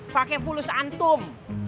pakai fulus antum